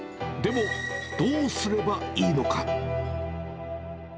でも、どうすればいいのか。